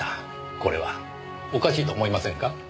これはおかしいと思いませんか？